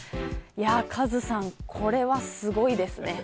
カズさん、これはすごいですね。